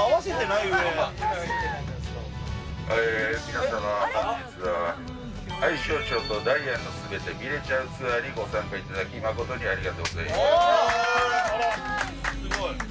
皆さま本日は愛荘町とダイアンの全て見れちゃうツアーにご参加いただき誠にありがとうございます。